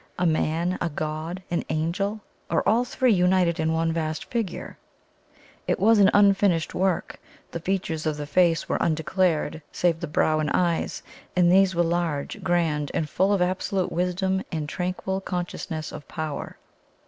A man? a god? an angel? or all three united in one vast figure? It was an unfinished work. The features of the face were undeclared, save the brow and eyes; and these were large, grand, and full of absolute wisdom and tranquil consciousness of power.